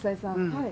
はい。